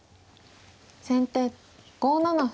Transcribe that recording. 先手５七歩。